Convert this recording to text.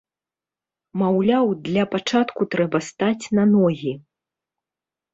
Маўляў, для пачатку трэба стаць на ногі.